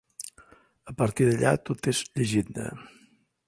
A partir d'allà tot és llegenda.